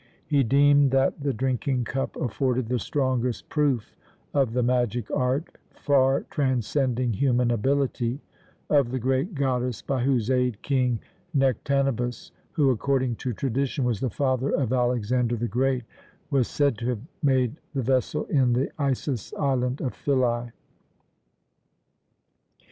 He deemed that the drinking cup afforded the strongest proof of the magic art, far transcending human ability, of the great goddess by whose aid King Nektanebus who, according to tradition, was the father of Alexander the Great was said to have made the vessel in the Isis island of Philæ.